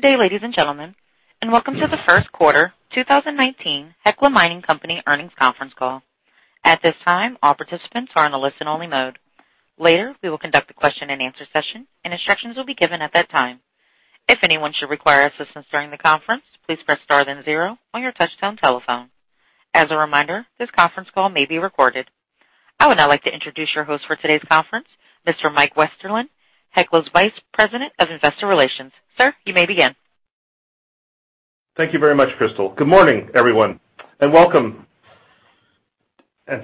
Good day, ladies and gentlemen, and welcome to the first quarter 2019 Hecla Mining Company earnings conference call. At this time, all participants are on a listen-only mode. Later, we will conduct a question and answer session, and instructions will be given at that time. If anyone should require assistance during the conference, please press star then zero on your touchtone telephone. As a reminder, this conference call may be recorded. I would now like to introduce your host for today's conference, Mr. Mike Westerlund, Hecla's Vice President of Investor Relations. Sir, you may begin. Thank you very much, Crystal. Good morning, everyone, welcome.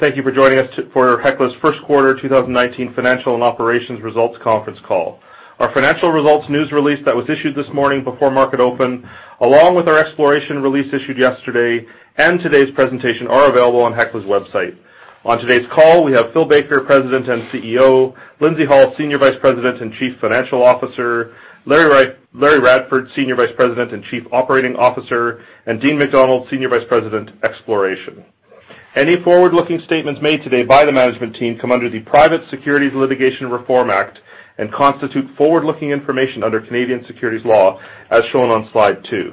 Thank you for joining us for Hecla's first quarter 2019 financial and operations results conference call. Our financial results news release that was issued this morning before market open, along with our exploration release issued yesterday and today's presentation are available on Hecla's website. On today's call, we have Phil Baker, President and CEO, Lindsay Hall, Senior Vice President and Chief Financial Officer, Larry Radford, Senior Vice President and Chief Operating Officer, and Dean McDonald, Senior Vice President, Exploration. Any forward-looking statements made today by the management team come under the Private Securities Litigation Reform Act and constitute forward-looking information under Canadian securities law, as shown on slide two.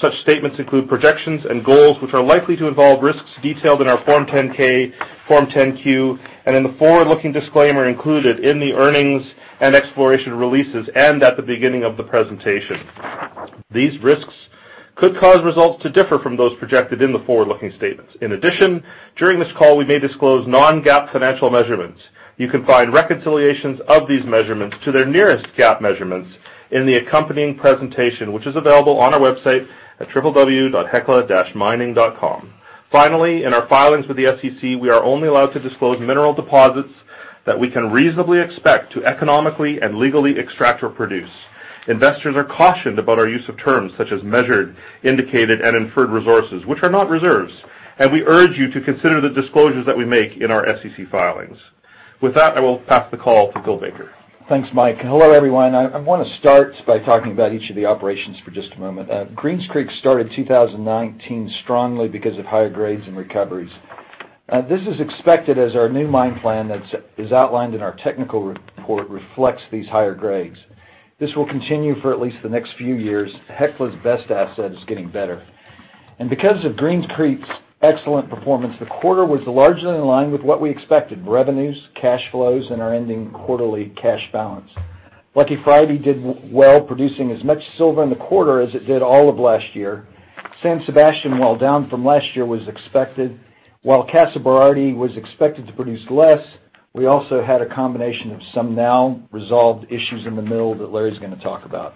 Such statements include projections and goals which are likely to involve risks detailed in our Form 10-K, Form 10-Q, and in the forward-looking disclaimer included in the earnings and exploration releases and at the beginning of the presentation. These risks could cause results to differ from those projected in the forward-looking statements. In addition, during this call, we may disclose non-GAAP financial measurements. You can find reconciliations of these measurements to their nearest GAAP measurements in the accompanying presentation, which is available on our website at www.hecla-mining.com. Finally, in our filings with the SEC, we are only allowed to disclose mineral deposits that we can reasonably expect to economically and legally extract or produce. Investors are cautioned about our use of terms such as measured, indicated, and inferred resources, which are not reserves, and we urge you to consider the disclosures that we make in our SEC filings. With that, I will pass the call to Phil Baker. Thanks, Mike. Hello, everyone. I want to start by talking about each of the operations for just a moment. Greens Creek started 2019 strongly because of higher grades and recoveries. This is expected as our new mine plan that is outlined in our technical report reflects these higher grades. This will continue for at least the next few years. Hecla's best asset is getting better. Because of Greens Creek's excellent performance, the quarter was largely in line with what we expected, revenues, cash flows, and our ending quarterly cash balance. Lucky Friday did well, producing as much silver in the quarter as it did all of last year. San Sebastian, while down from last year, was expected. While Casa Berardi was expected to produce less, we also had a combination of some now-resolved issues in the mill that Larry's going to talk about.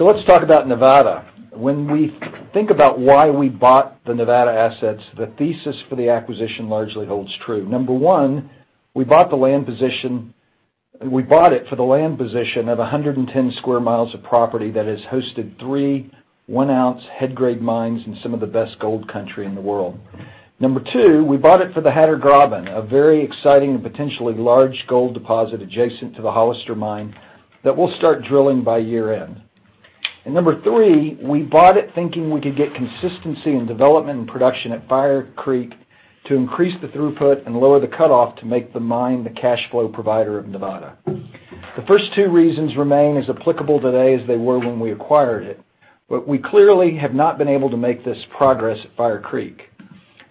Let's talk about Nevada. When we think about why we bought the Nevada assets, the thesis for the acquisition largely holds true. Number one, we bought it for the land position of 110 square miles of property that has hosted three one-ounce head grade mines in some of the best gold country in the world. Number two, we bought it for the Hatter Graben, a very exciting and potentially large gold deposit adjacent to the Hollister mine that we'll start drilling by year-end. Number three, we bought it thinking we could get consistency in development and production at Fire Creek to increase the throughput and lower the cutoff to make the mine the cash flow provider of Nevada. The first two reasons remain as applicable today as they were when we acquired it, but we clearly have not been able to make this progress at Fire Creek.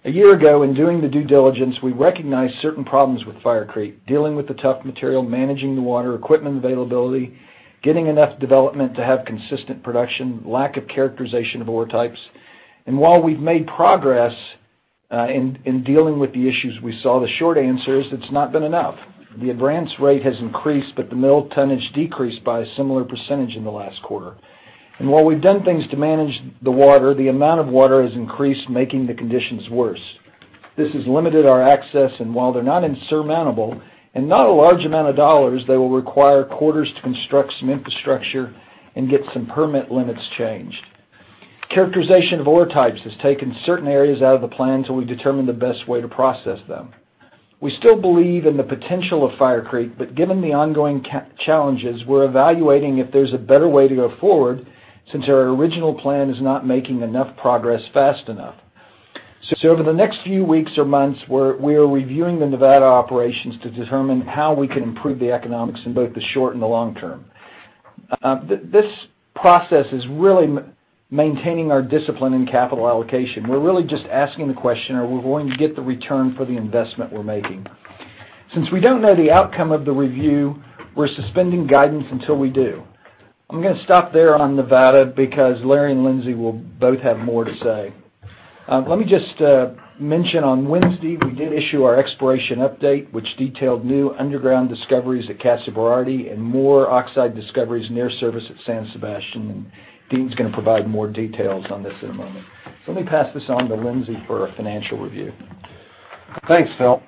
A year ago, in doing the due diligence, we recognized certain problems with Fire Creek, dealing with the tough material, managing the water, equipment availability, getting enough development to have consistent production, lack of characterization of ore types. While we've made progress in dealing with the issues we saw, the short answer is it's not been enough. The advance rate has increased, but the mill tonnage decreased by a similar percentage in the last quarter. While we've done things to manage the water, the amount of water has increased, making the conditions worse. This has limited our access, and while they're not insurmountable and not a large amount of dollars, they will require quarters to construct some infrastructure and get some permit limits changed. Characterization of ore types has taken certain areas out of the plan till we determine the best way to process them. We still believe in the potential of Fire Creek, but given the ongoing challenges, we're evaluating if there's a better way to go forward since our original plan is not making enough progress fast enough. For the next few weeks or months, we are reviewing the Nevada operations to determine how we can improve the economics in both the short and the long term. This process is really maintaining our discipline in capital allocation. We're really just asking the question, are we going to get the return for the investment we're making? Since we don't know the outcome of the review, we're suspending guidance until we do. I'm gonna stop there on Nevada because Larry and Lindsay will both have more to say. Let me just mention on Wednesday, we did issue our exploration update, which detailed new underground discoveries at Casa Berardi and more oxide discoveries near service at San Sebastian. Dean's gonna provide more details on this in a moment. Let me pass this on to Lindsay for a financial review. Thanks, Phil.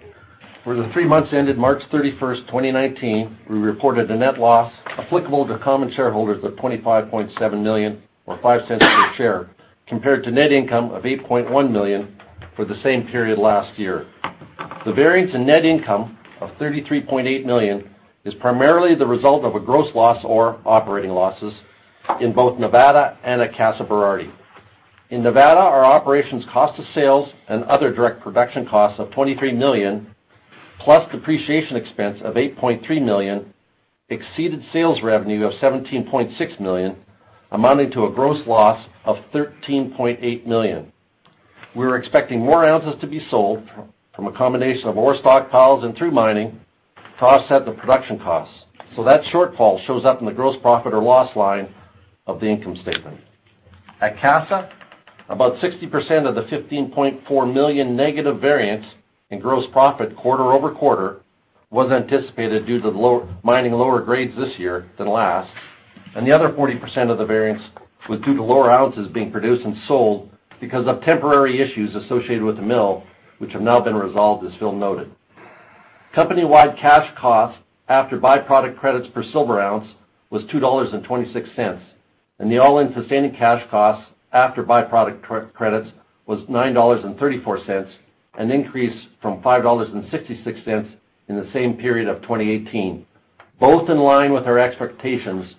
For the three months ended March 31st, 2019, we reported a net loss applicable to common shareholders of $25.7 million or $0.05 per share compared to net income of $8.1 million for the same period last year. The variance in net income of $33.8 million is primarily the result of a gross loss or operating losses in both Nevada and at Casa Berardi. In Nevada, our operations cost of sales and other direct production costs of $23 million Plus depreciation expense of $8.3 million exceeded sales revenue of $17.6 million, amounting to a gross loss of $13.8 million. We were expecting more ounces to be sold from a combination of ore stockpiles and through mining to offset the production costs. That shortfall shows up in the gross profit or loss line of the income statement. At Casa, about 60% of the $15.4 million negative variance in gross profit quarter-over-quarter was anticipated due to mining lower grades this year than last. The other 40% of the variance was due to lower ounces being produced and sold because of temporary issues associated with the mill, which have now been resolved, as Phil noted. Company-wide cash costs after by-product credits per silver ounce was $2.26, and the all-in sustaining cash costs after by-product credits was $9.34, an increase from $5.66 in the same period of 2018, both in line with our expectations,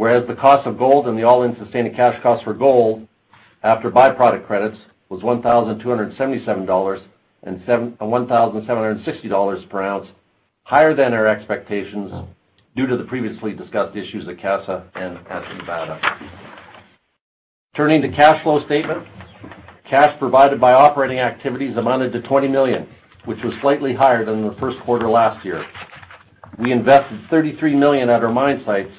whereas the cost of gold and the all-in sustaining cash costs for gold after by-product credits was $1,277 and $1,760 per ounce, higher than our expectations due to the previously discussed issues at Casa and at Nevada. Turning to cash flow statement, cash provided by operating activities amounted to $20 million, which was slightly higher than the first quarter last year. We invested $33 million at our mine sites.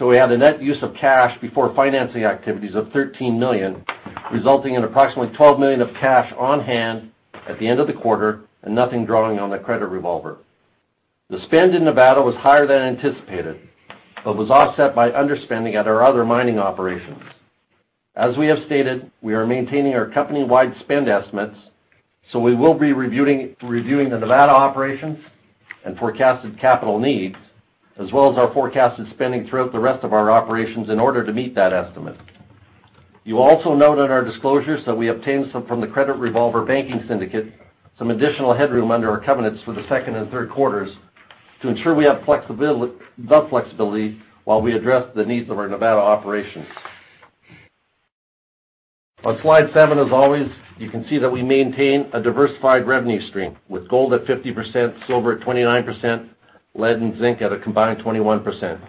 We had a net use of cash before financing activities of $13 million, resulting in approximately $12 million of cash on hand at the end of the quarter and nothing drawing on the credit revolver. The spend in Nevada was higher than anticipated but was offset by underspending at our other mining operations. As we have stated, we are maintaining our company-wide spend estimates. We will be reviewing the Nevada operations and forecasted capital needs, as well as our forecasted spending throughout the rest of our operations in order to meet that estimate. You will also note in our disclosures that we obtained from the credit revolver banking syndicate some additional headroom under our covenants for the second and third quarters to ensure we have the flexibility while we address the needs of our Nevada operations. On slide seven, as always, you can see that we maintain a diversified revenue stream with gold at 50%, silver at 29%, lead and zinc at a combined 21%.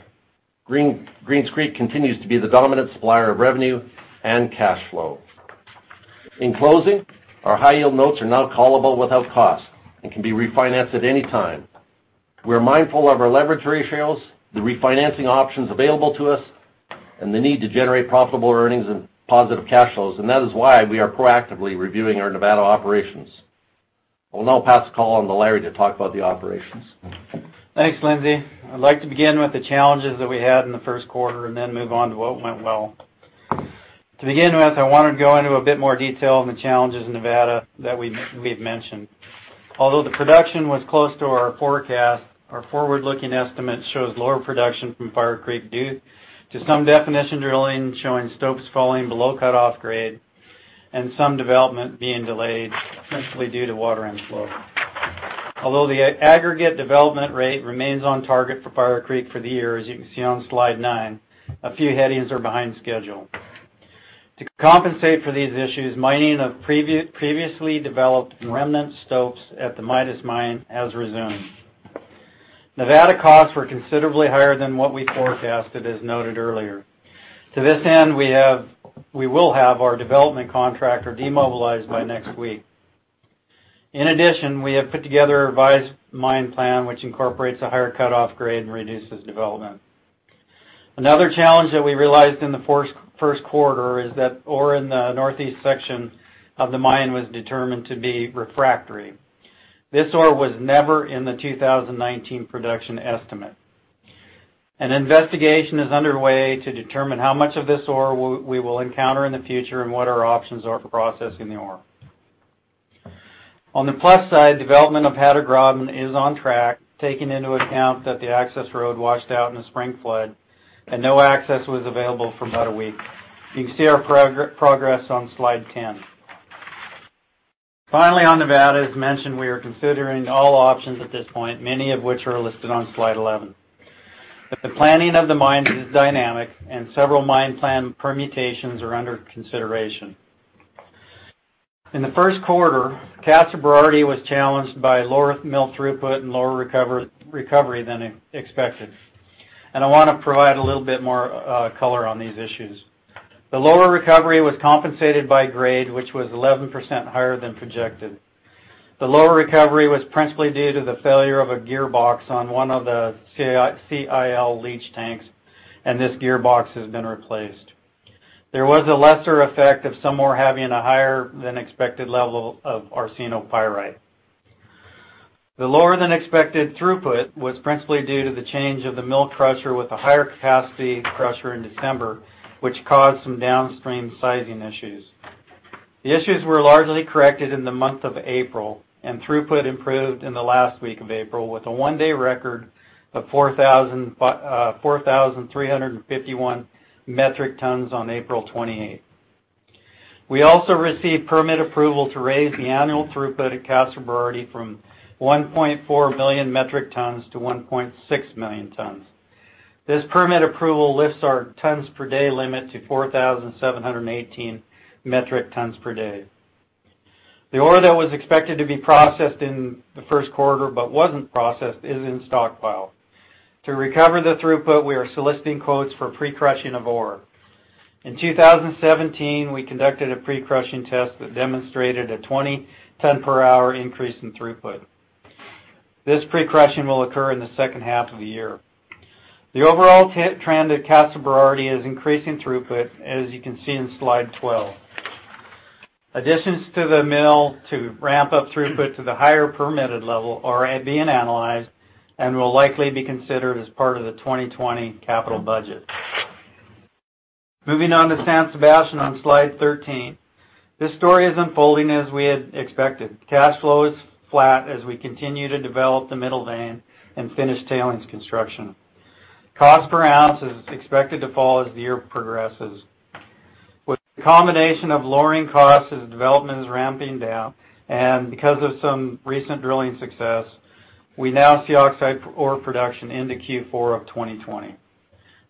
Greens Creek continues to be the dominant supplier of revenue and cash flow. In closing, our high-yield notes are now callable without cost and can be refinanced at any time. We're mindful of our leverage ratios, the refinancing options available to us, and the need to generate profitable earnings and positive cash flows. That is why we are proactively reviewing our Nevada operations. I will now pass the call on to Larry to talk about the operations. Thanks, Lindsay. I'd like to begin with the challenges that we had in the first quarter and then move on to what went well. To begin with, I want to go into a bit more detail on the challenges in Nevada that we've mentioned. Although the production was close to our forecast, our forward-looking estimate shows lower production from Fire Creek due to some definition drilling showing stopes falling below cut-off grade and some development being delayed, principally due to water inflow. Although the aggregate development rate remains on target for Fire Creek for the year, as you can see on slide nine, a few headings are behind schedule. To compensate for these issues, mining of previously developed remnant stopes at the Midas mine has resumed. Nevada costs were considerably higher than what we forecasted, as noted earlier. To this end, we will have our development contractor demobilized by next week. In addition, we have put together a revised mine plan, which incorporates a higher cut-off grade and reduces development. Another challenge that we realized in the first quarter is that ore in the northeast section of the mine was determined to be refractory. This ore was never in the 2019 production estimate. An investigation is underway to determine how much of this ore we will encounter in the future and what our options are for processing the ore. On the plus side, development of Hatter Graben is on track, taking into account that the access road washed out in the spring flood and no access was available for about a week. You can see our progress on slide 10. Finally, on Nevada, as mentioned, we are considering all options at this point, many of which are listed on slide 11. The planning of the mine is dynamic, and several mine plan permutations are under consideration. In the first quarter, Casa Berardi was challenged by lower mill throughput and lower recovery than expected, and I want to provide a little bit more color on these issues. The lower recovery was compensated by grade, which was 11% higher than projected. The lower recovery was principally due to the failure of a gearbox on one of the CIL leach tanks, and this gearbox has been replaced. There was a lesser effect of some ore having a higher than expected level of arsenopyrite. The lower than expected throughput was principally due to the change of the mill crusher with a higher capacity crusher in December, which caused some downstream sizing issues. The issues were largely corrected in the month of April, throughput improved in the last week of April with a one-day record of 4,351 metric tons on April 28th. We also received permit approval to raise the annual throughput at Casa Berardi from 1.4 million metric tons to 1.6 million tons. This permit approval lifts our tons per day limit to 4,718 metric tons per day. The ore that was expected to be processed in the first quarter but wasn't processed is in stockpile. To recover the throughput, we are soliciting quotes for pre-crushing of ore. In 2017, we conducted a pre-crushing test that demonstrated a 20 ton per hour increase in throughput. This pre-crushing will occur in the second half of the year. The overall trend at Casa Berardi is increasing throughput, as you can see in slide 12. Additions to the mill to ramp up throughput to the higher permitted level are being analyzed and will likely be considered as part of the 2020 capital budget. Moving on to San Sebastian on slide 13. This story is unfolding as we had expected. Cash flow is flat as we continue to develop the middle vein and finish tailings construction. Cost per ounce is expected to fall as the year progresses. With the combination of lowering costs as development is ramping down and because of some recent drilling success, we now see oxide ore production into Q4 of 2020.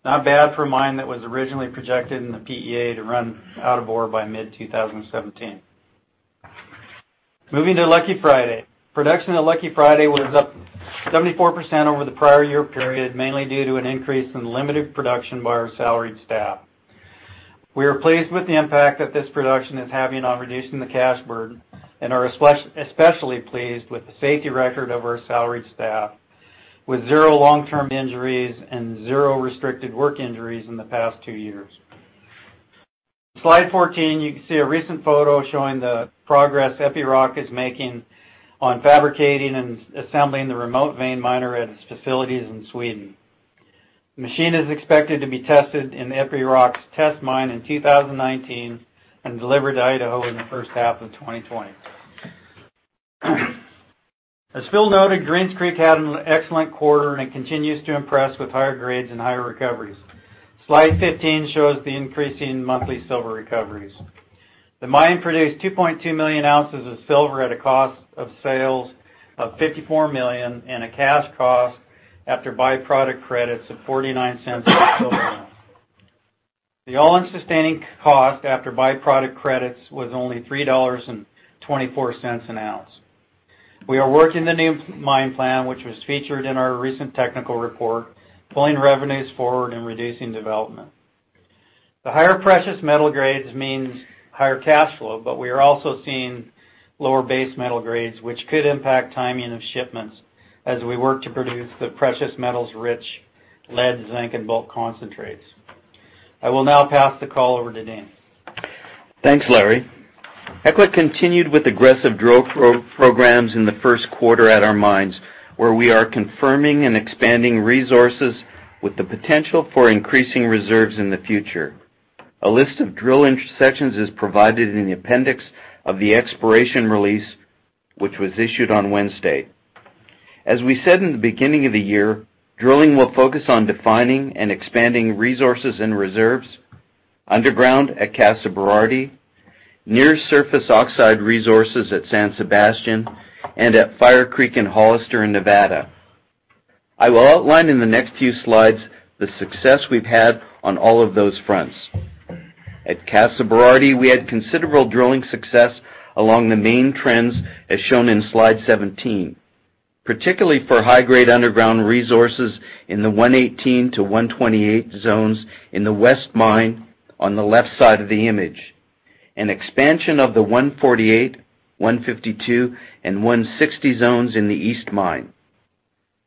Not bad for a mine that was originally projected in the PEA to run out of ore by mid-2017. Moving to Lucky Friday. Production at Lucky Friday was up 74% over the prior year period, mainly due to an increase in limited production by our salaried staff. We are pleased with the impact that this production is having on reducing the cash burden and are especially pleased with the safety record of our salaried staff, with zero long-term injuries and zero restricted work injuries in the past two years. Slide 14, you can see a recent photo showing the progress Epiroc is making on fabricating and assembling the Remote Vein Miner at its facilities in Sweden. The machine is expected to be tested in Epiroc's test mine in 2019 and delivered to Idaho in the first half of 2020. As Phil noted, Greens Creek had an excellent quarter, it continues to impress with higher grades and higher recoveries. Slide 15 shows the increase in monthly silver recoveries. The mine produced 2.2 million ounces of silver at a cost of sales of $54 million and a cash cost after byproduct credits of $0.49 per silver ounce. The all-in sustaining cost after byproduct credits was only $3.24 an ounce. We are working the new mine plan, which was featured in our recent technical report, pulling revenues forward and reducing development. We are also seeing lower base metal grades, which could impact timing of shipments as we work to produce the precious metals rich lead, zinc, and bulk concentrates. I will now pass the call over to Dean. Thanks, Larry. Hecla continued with aggressive drill programs in the first quarter at our mines, where we are confirming and expanding resources with the potential for increasing reserves in the future. A list of drill intersections is provided in the appendix of the exploration release, which was issued on Wednesday. As we said in the beginning of the year, drilling will focus on defining and expanding resources and reserves underground at Casa Berardi, near surface oxide resources at San Sebastian and at Fire Creek and Hollister in Nevada. I will outline in the next few slides the success we've had on all of those fronts. At Casa Berardi, we had considerable drilling success along the main trends, as shown in slide 17, particularly for high-grade underground resources in the 118-128 zones in the west mine on the left side of the image, an expansion of the 148, 152, and 160 zones in the east mine.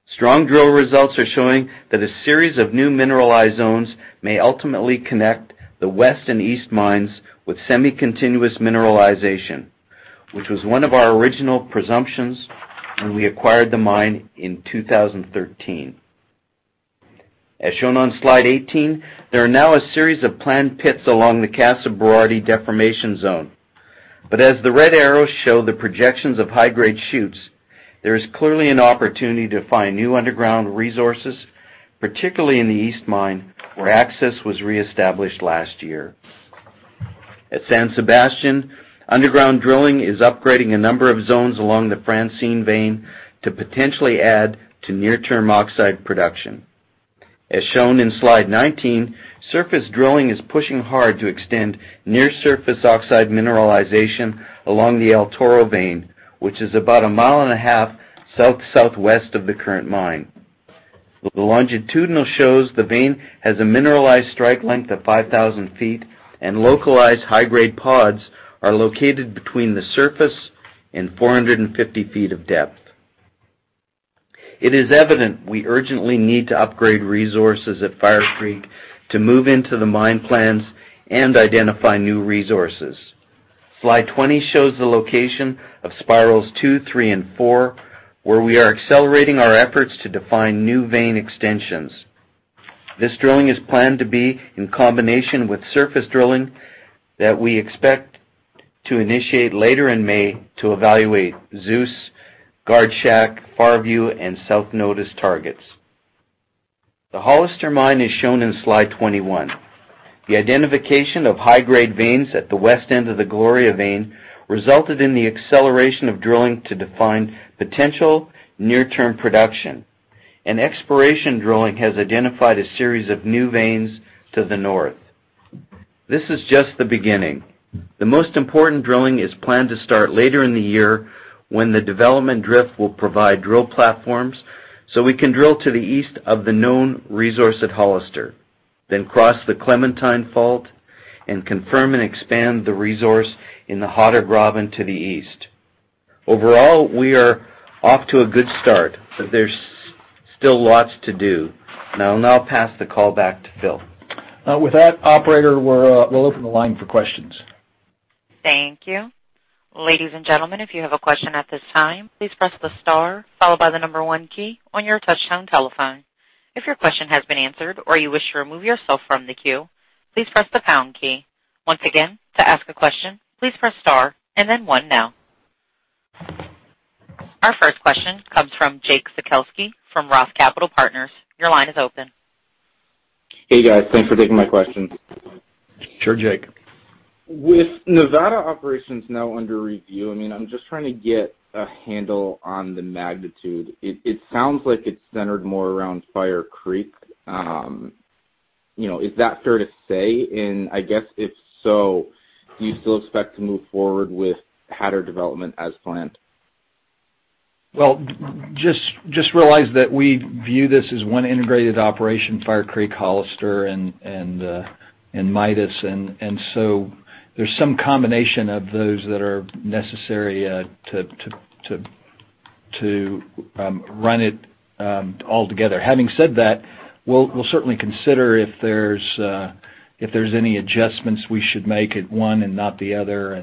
Strong drill results are showing that a series of new mineralized zones may ultimately connect the west and east mines with semi-continuous mineralization, which was one of our original presumptions when we acquired the mine in 2013. As shown on slide 18, there are now a series of planned pits along the Casa Berardi deformation zone. As the red arrows show the projections of high-grade shoots, there is clearly an opportunity to find new underground resources, particularly in the east mine, where access was reestablished last year. At San Sebastian, underground drilling is upgrading a number of zones along the Francine vein to potentially add to near-term oxide production. As shown in slide 19, surface drilling is pushing hard to extend near-surface oxide mineralization along the El Toro vein, which is about a mile and a half south-southwest of the current mine. The longitudinal shows the vein has a mineralized strike length of 5,000 feet, and localized high-grade pods are located between the surface and 450 feet of depth. It is evident we urgently need to upgrade resources at Fire Creek to move into the mine plans and identify new resources. Slide 20 shows the location of spirals 2, 3, and 4, where we are accelerating our efforts to define new vein extensions. This drilling is planned to be in combination with surface drilling that we expect to initiate later in May to evaluate Zeus, Guard Shack, Far View, and South Notice targets. The Hollister mine is shown in slide 21. The identification of high-grade veins at the west end of the Gloria vein resulted in the acceleration of drilling to define potential near-term production. Exploration drilling has identified a series of new veins to the north. This is just the beginning. The most important drilling is planned to start later in the year when the development drift will provide drill platforms, so we can drill to the east of the known resource at Hollister, then cross the Clementine fault and confirm and expand the resource in the Hatter Graben to the east. Overall, we are off to a good start, but there's still lots to do. I'll now pass the call back to Phil. With that, operator, we'll open the line for questions. Thank you. Ladies and gentlemen, if you have a question at this time, please press the star followed by the number 1 key on your touchtone telephone. If your question has been answered or you wish to remove yourself from the queue, please press the pound key. Once again, to ask a question, please press star and then one now. Our first question comes from Jake Cikowski from Roth Capital Partners. Your line is open. Hey, guys. Thanks for taking my questions. Sure, Jake. With Nevada operations now under review, I'm just trying to get a handle on the magnitude. It sounds like it's centered more around Fire Creek. Is that fair to say? I guess if so, do you still expect to move forward with Hatter development as planned? Well, just realize that we view this as one integrated operation, Fire Creek, Hollister, and Midas. There's some combination of those that are necessary to run it all together. Having said that, we'll certainly consider if there's any adjustments we should make at one and not the other,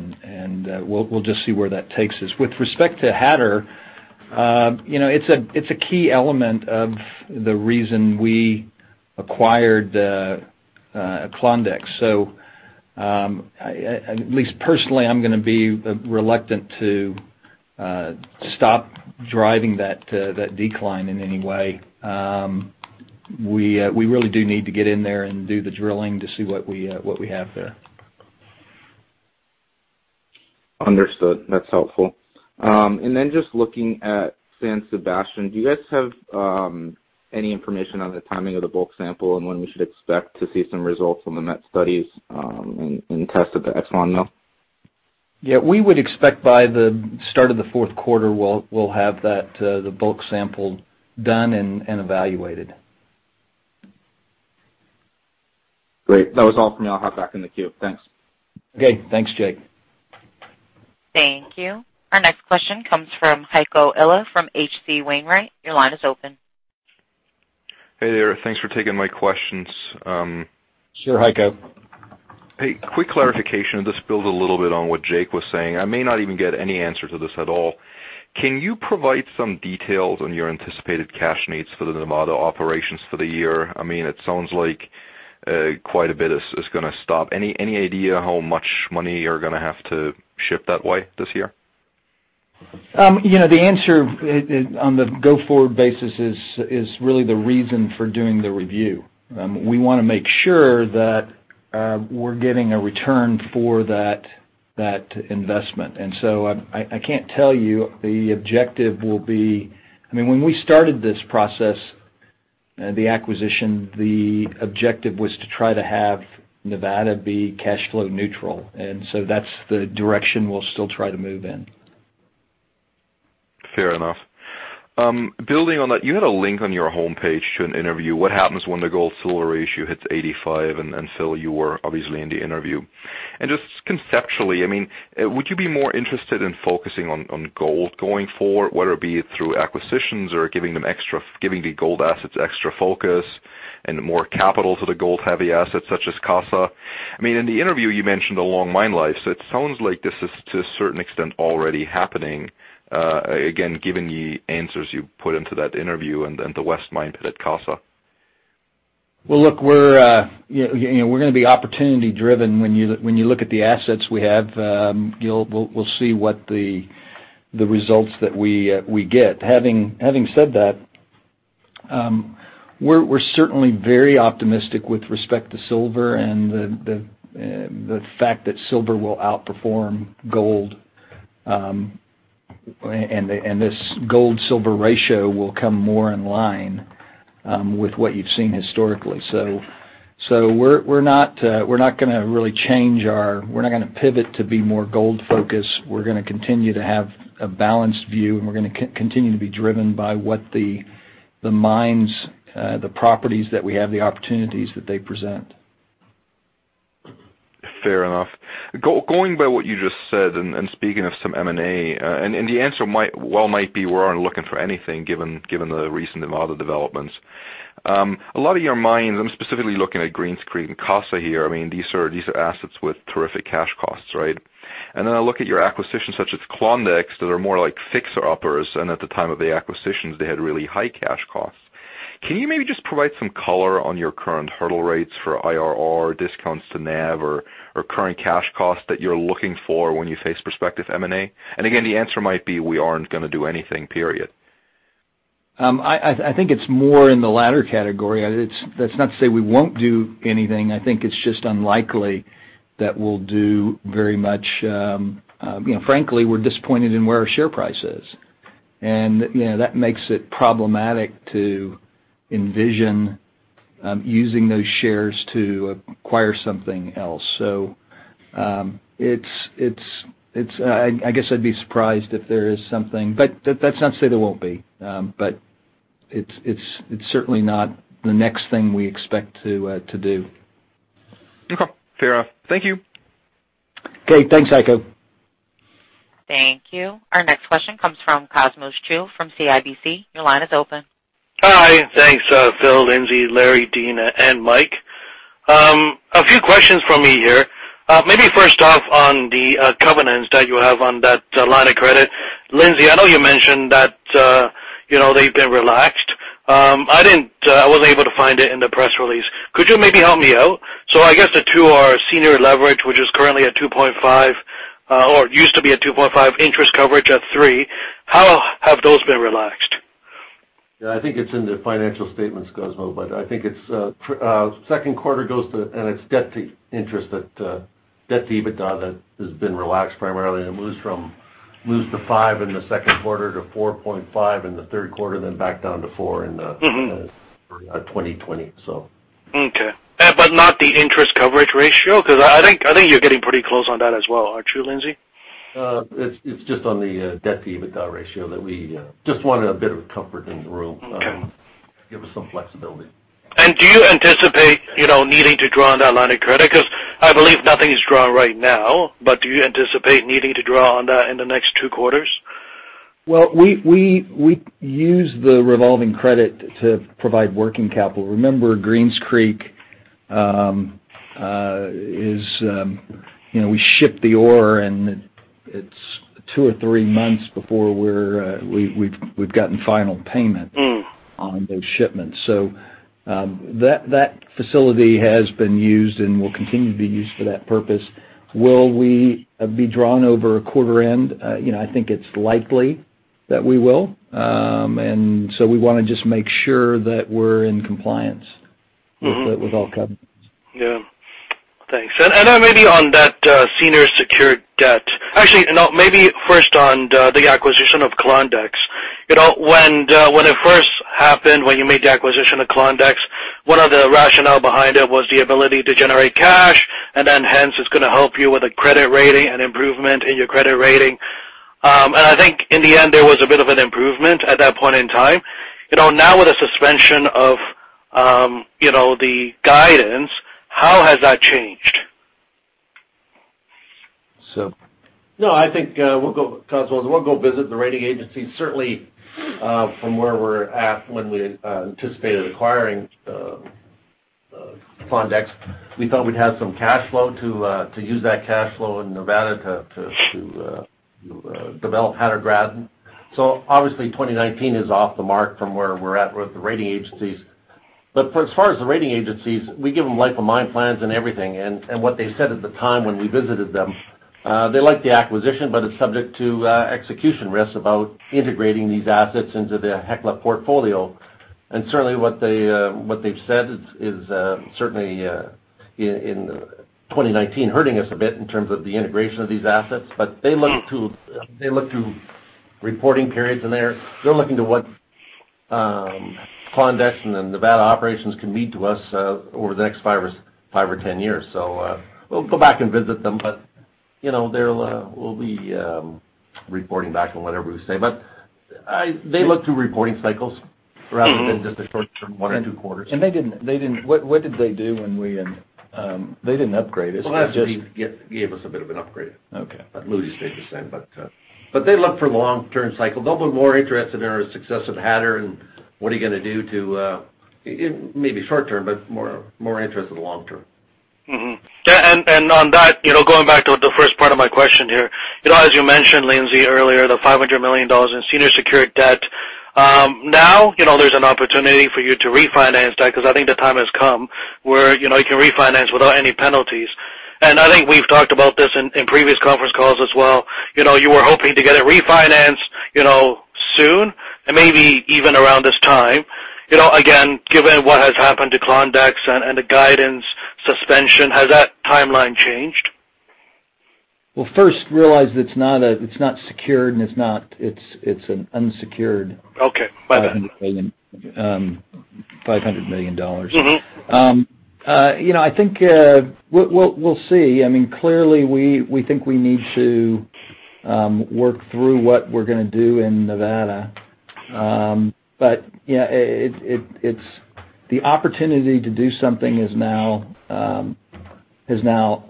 we'll just see where that takes us. With respect to Hatter, it's a key element of the reason we acquired Klondex. At least personally, I'm going to be reluctant to stop driving that decline in any way. We really do need to get in there and do the drilling to see what we have there. Understood. That's helpful. Then just looking at San Sebastian, do you guys have any information on the timing of the bulk sample and when we should expect to see some results from the met studies and tests at the [Exxon mill]? Yeah, we would expect by the start of the fourth quarter, we'll have the bulk sample done and evaluated. Great. That was all from me. I'll hop back in the queue. Thanks. Okay. Thanks, Jake. Thank you. Our next question comes from Heiko Ihle from H.C. Wainwright. Your line is open. Hey there. Thanks for taking my questions. Sure, Heiko. Hey, quick clarification. This builds a little bit on what Jake was saying. I may not even get any answer to this at all. Can you provide some details on your anticipated cash needs for the Nevada operations for the year? It sounds like quite a bit is going to stop. Any idea how much money you're going to have to shift that way this year? The answer on the go-forward basis is really the reason for doing the review. We want to make sure that we're getting a return for that investment. I can't tell you the objective when we started this process, the acquisition, the objective was to try to have Nevada be cash flow neutral. That's the direction we'll still try to move in. Fair enough. Building on that, you had a link on your homepage to an interview, "What happens when the gold-silver ratio hits 85?" Phil, you were obviously in the interview. Just conceptually, would you be more interested in focusing on gold going forward, whether it be through acquisitions or giving the gold assets extra focus and more capital to the gold-heavy assets such as Casa? In the interview, you mentioned a long mine life, so it sounds like this is to a certain extent already happening, again, given the answers you put into that interview and the west mine at Casa. Well, look, we're going to be opportunity driven. When you look at the assets we have, we'll see what the results that we get. Having said that, we're certainly very optimistic with respect to silver and the fact that silver will outperform gold, and this gold-silver ratio will come more in line with what you've seen historically. We're not going to pivot to be more gold-focused. We're going to continue to have a balanced view, and we're going to continue to be driven by what the mines, the properties that we have, the opportunities that they present. Fair enough. Going by what you just said, speaking of some M&A, the answer might well be we're looking for anything given the recent Nevada developments. A lot of your mines, I'm specifically looking at Greens Creek and Casa here, these are assets with terrific cash costs, right? Then I look at your acquisitions such as Klondex, that are more like fixer-uppers, and at the time of the acquisitions, they had really high cash costs. Can you maybe just provide some color on your current hurdle rates for IRR discounts to NAV or current cash costs that you're looking for when you face prospective M&A? Again, the answer might be we aren't going to do anything, period. I think it's more in the latter category. That's not to say we won't do anything. I think it's just unlikely that we'll do very much. Frankly, we're disappointed in where our share price is, and that makes it problematic to envision using those shares to acquire something else. I guess I'd be surprised if there is something, but that's not to say there won't be. It's certainly not the next thing we expect to do. Okay. Fair enough. Thank you. Okay, thanks, Heiko. Thank you. Our next question comes from Cosmos Chiu from CIBC. Your line is open. Hi, thanks, Phil, Lindsay, Larry, Dean, and Mike. A few questions from me here. Maybe first off on the covenants that you have on that line of credit. Lindsay, I know you mentioned that they've been relaxed. I wasn't able to find it in the press release. Could you maybe help me out? I guess the two are senior leverage, which is currently at 2.5, or used to be at 2.5, interest coverage at three. How have those been relaxed? Yeah, I think it's in the financial statements, Cosmos, I think it's second quarter and its debt to interest, that debt to EBITDA that has been relaxed primarily, it moves to 5 in the second quarter, to 4.5 in the third quarter, back down to 4 in the- 2020. Okay. Not the interest coverage ratio? I think you're getting pretty close on that as well, aren't you, Lindsay? It's just on the debt-to-EBITDA ratio that we just wanted a bit of comfort and room. Okay. Give us some flexibility. Do you anticipate needing to draw on that line of credit? Because I believe nothing is drawn right now, but do you anticipate needing to draw on that in the next two quarters? Well, we use the revolving credit to provide working capital. Remember, Greens Creek, we ship the ore, and it's two or three months before we've gotten final payment. On those shipments. That facility has been used and will continue to be used for that purpose. Will we be drawn over a quarter end? I think it's likely that we will. We want to just make sure that we're in compliance. with all covenants. Yeah. Thanks. Maybe on that senior secured debt. Actually, no. Maybe first on the acquisition of Klondex. When it first happened, when you made the acquisition of Klondex, one of the rationale behind it was the ability to generate cash, then hence, it's going to help you with a credit rating and improvement in your credit rating. I think in the end, there was a bit of an improvement at that point in time. Now with the suspension of the guidance, how has that changed? No, I think, Cosmos, we'll go visit the rating agencies. Certainly, from where we're at when we anticipated acquiring Klondex, we thought we'd have some cash flow to use that cash flow in Nevada to develop Hatter Graben. Obviously, 2019 is off the mark from where we're at with the rating agencies. As far as the rating agencies, we give them life of mine plans and everything, what they said at the time when we visited them, they liked the acquisition, it's subject to execution risks about integrating these assets into the Hecla portfolio. Certainly, what they've said is certainly in 2019 hurting us a bit in terms of the integration of these assets. They look to reporting periods in there. They're looking to what Klondex and the Nevada operations can mean to us over the next five or 10 years. We'll go back and visit them, we'll be reporting back on whatever we say. They look to reporting cycles rather than just a short-term one or two quarters. What did they do when they didn't upgrade us? Actually, they gave us a bit of an upgrade. Okay. Moody's stayed the same. They look for the long-term cycle. They'll be more interested in our success at Hatter and what are you going to do to, maybe short-term, but more interested in long-term. On that, going back to the first part of my question here. As you mentioned, Lindsay, earlier, the $500 million in senior secured debt. There's an opportunity for you to refinance that because I think the time has come where you can refinance without any penalties. I think we've talked about this in previous conference calls as well. You were hoping to get it refinanced soon, and maybe even around this time. Again, given what has happened to Klondex and the guidance suspension, has that timeline changed? Well, first, realize that it's not secured, it's an unsecured. Okay. My bad. $500 million. I think we'll see. Clearly, we think we need to work through what we're going to do in Nevada. The opportunity to do something has now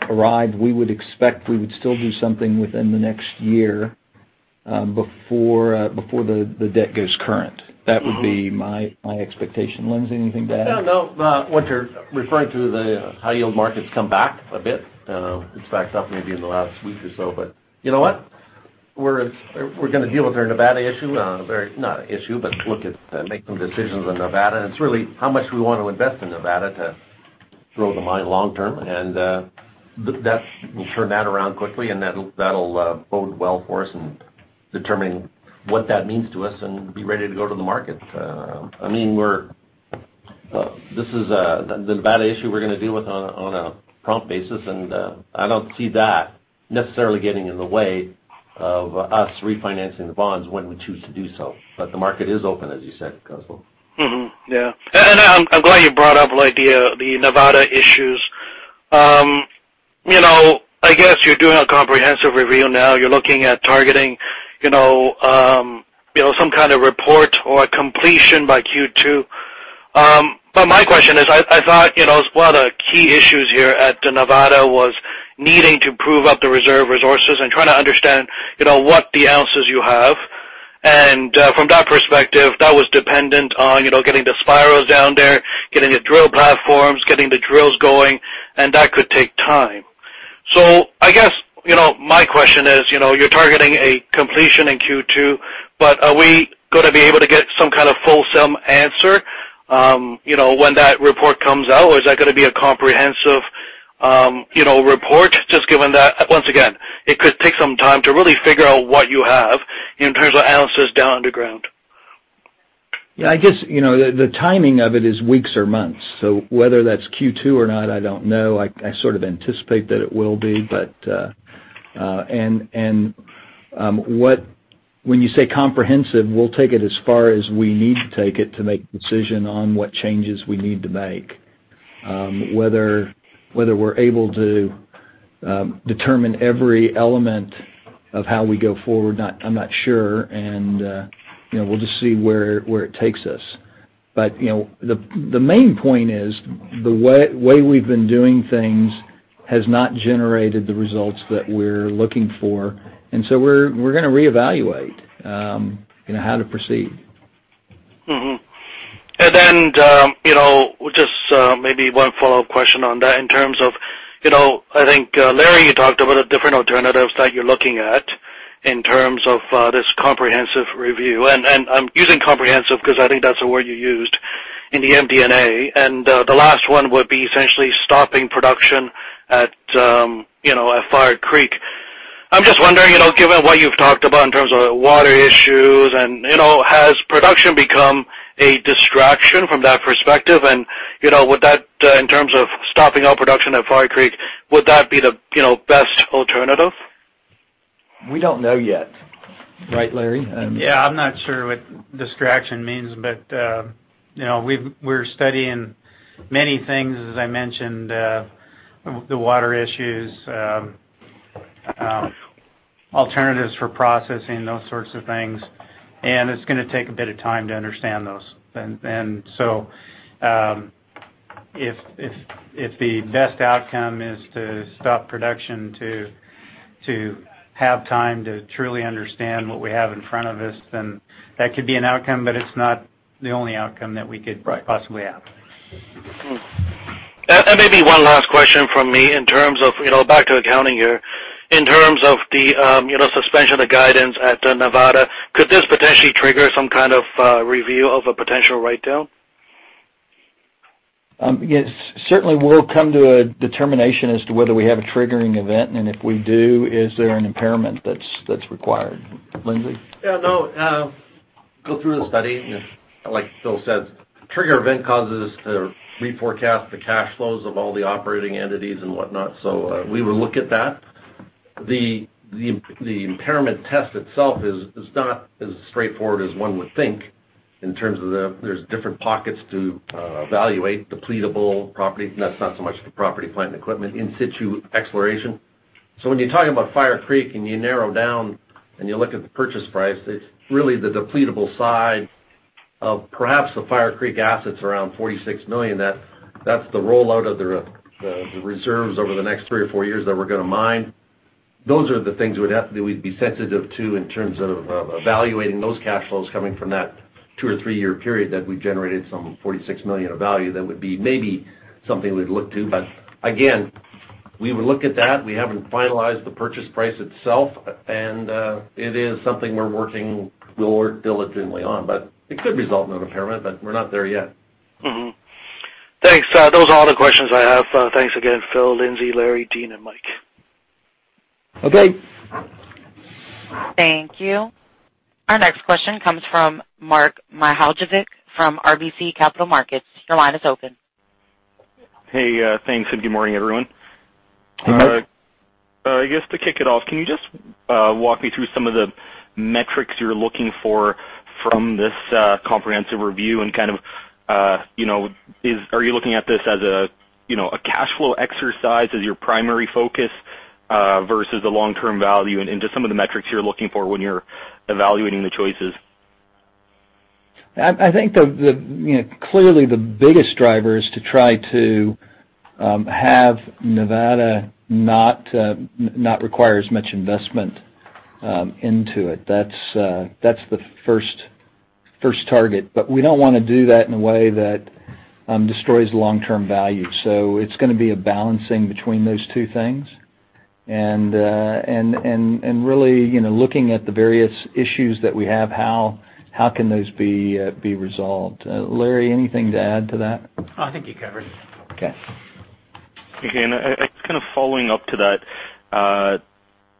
arrived. We would expect we would still do something within the next year before the debt goes current. That would be my expectation. Lindsay, anything to add? No. What you're referring to, the high-yield market's come back a bit. It's backed up maybe in the last week or so. You know what? We're going to deal with our Nevada issue. Not an issue, but look at making decisions on Nevada. It's really how much we want to invest in Nevada to grow the mine long term, and we'll turn that around quickly, and that'll bode well for us in determining what that means to us and be ready to go to the market. This is the big issue we're going to deal with on a prompt basis, and I don't see that necessarily getting in the way of us refinancing the bonds when we choose to do so. The market is open, as you said, Cosmos. Mm-hmm. Yeah. I'm glad you brought up the idea of the Nevada issues. I guess you're doing a comprehensive review now. You're looking at targeting some kind of report or completion by Q2. My question is, I thought one of the key issues here at Nevada was needing to prove up the reserve resources and trying to understand what the ounces you have. From that perspective, that was dependent on getting the spirals down there, getting the drill platforms, getting the drills going, and that could take time. I guess, my question is, you're targeting a completion in Q2, but are we going to be able to get some kind of fulsome answer when that report comes out? Is that going to be a comprehensive report, just given that, once again, it could take some time to really figure out what you have in terms of ounces down underground? Yeah, I guess the timing of it is weeks or months, so whether that's Q2 or not, I don't know. I sort of anticipate that it will be. When you say comprehensive, we'll take it as far as we need to take it to make a decision on what changes we need to make. Whether we're able to determine every element of how we go forward, I'm not sure, and we'll just see where it takes us. The main point is the way we've been doing things has not generated the results that we're looking for, we're going to reevaluate how to proceed. just maybe one follow-up question on that in terms of, I think, Larry, you talked about the different alternatives that you're looking at in terms of this comprehensive review. I'm using comprehensive because I think that's the word you used in the MD&A, and the last one would be essentially stopping production at Fire Creek. I'm just wondering, given what you've talked about in terms of water issues, has production become a distraction from that perspective? In terms of stopping all production at Fire Creek, would that be the best alternative? We don't know yet. Right, Larry? I'm not sure what distraction means, but we're studying many things, as I mentioned, the water issues, alternatives for processing, those sorts of things, and it's going to take a bit of time to understand those. If the best outcome is to stop production to have time to truly understand what we have in front of us, then that could be an outcome, but it's not the only outcome that we could possibly have. maybe one last question from me in terms of back to accounting here. In terms of the suspension of guidance at Nevada, could this potentially trigger some kind of review of a potential writedown? Yes, certainly we'll come to a determination as to whether we have a triggering event, and if we do, is there an impairment that's required. Lindsay? Yeah, no. Go through the study, like Phil said, trigger event causes to reforecast the cash flows of all the operating entities and whatnot. We will look at that. The impairment test itself is not as straightforward as one would think in terms of the, there's different pockets to evaluate, depletable property, that's not so much the property, plant, and equipment, in situ exploration. When you're talking about Fire Creek and you narrow down and you look at the purchase price, it's really the depletable side of perhaps the Fire Creek assets around $46 million. That's the rollout of the reserves over the next three or four years that we're going to mine. Those are the things we'd be sensitive to in terms of evaluating those cash flows coming from that two or three-year period that we generated some $46 million of value. That would be maybe something we'd look to, again, we would look at that. We haven't finalized the purchase price itself, and it is something we'll work diligently on. It could result in an impairment, but we're not there yet. Mm-hmm. Thanks. Those are all the questions I have. Thanks again, Phil, Lindsay, Larry, Dean, and Mike. Okay. Thank you. Our next question comes from Mark Mihaljevic from RBC Capital Markets. Your line is open. Hey, thanks, and good morning, everyone. Good morning. I guess to kick it off, can you just walk me through some of the metrics you're looking for from this comprehensive review and kind of, are you looking at this as a cash flow exercise as your primary focus versus the long-term value and just some of the metrics you're looking for when you're evaluating the choices? I think clearly the biggest driver is to try to have Nevada not require as much investment into it. That's the first target. We don't want to do that in a way that destroys long-term value. It's going to be a balancing between those two things. Really looking at the various issues that we have, how can those be resolved? Larry, anything to add to that? I think you covered it. Okay. Okay. Kind of following up to that,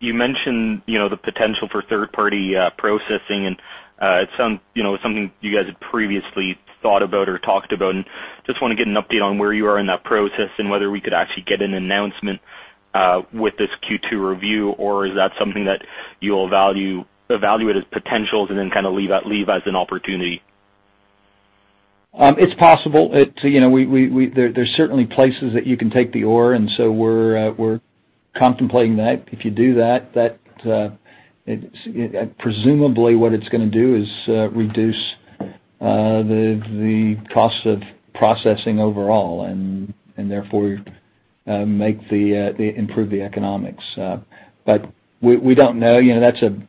you mentioned the potential for third-party processing, it's something you guys had previously thought about or talked about, just want to get an update on where you are in that process and whether we could actually get an announcement with this Q2 review, or is that something that you'll evaluate as potentials and then kind of leave as an opportunity? It's possible. There's certainly places that you can take the ore, we're contemplating that. If you do that, presumably what it's going to do is reduce the cost of processing overall and therefore improve the economics. We don't know.